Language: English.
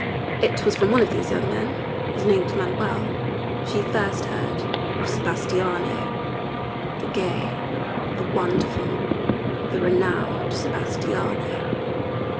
It was from one of these young men (his name was Manuel) she first heard of Sebastiano the gay, the wonderful, the renowned Sebastiano.